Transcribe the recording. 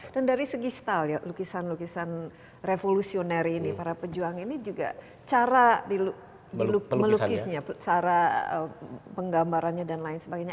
dan dari segi style ya lukisan lukisan revolusionary ini para pejuang ini juga cara melukisnya cara penggambarannya dan lain sebagainya